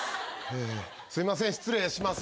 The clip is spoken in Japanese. すいません失礼します。